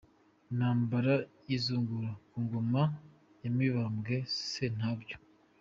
Intambara y’izungura ku Ngoma ya Mibambwe Sentabyo